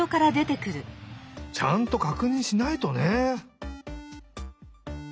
ちゃんとかくにんしないとね。